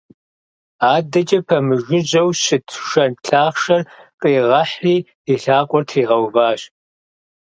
Адэкӏэ пэмыжыжьэу щыт шэнт лъахъшэр къригъэхьри и лъакъуэр тригъэуващ.